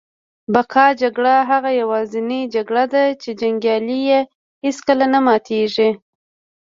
د بقا جګړه هغه یوازینۍ جګړه ده چي جنګیالي یې هیڅکله نه ماتیږي